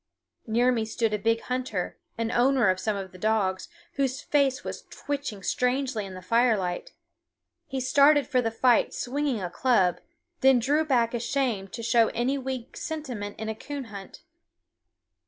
Near me stood a big hunter, an owner of some of the dogs, whose face was twitching strangely in the firelight. He started for the fight swinging a club, then drew back ashamed to show any weak sentiment in a coon hunt.